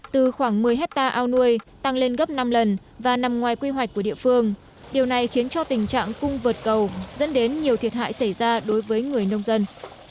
từ khoảng một mươi hectare ao nuôi tăng lên gấp năm lần và nằm ngoài quy hoạch của địa phương điều này khiến cho tình trạng cung vượt cầu dẫn đến nhiều thiệt hại xảy ra đối với người nông dân